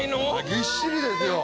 ぎっしりですよ！